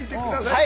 はい！